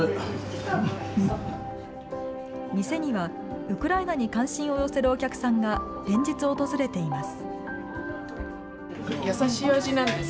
店にはウクライナに関心を寄せるお客さんが連日訪れています。